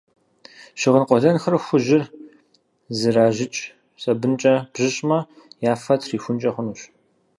Щыгъын къуэлэнхэр хужьыр зэражьыщӏ сабынкӏэ бжьыщӏмэ, я фэр трихункӏэ хъунущ.